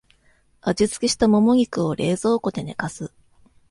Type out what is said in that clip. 味付けしたモモ肉を冷蔵庫で寝かす